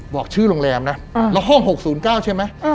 บอกชื่อโรงแรมนะแล้วห้อง๖๐๙ใช่ไหม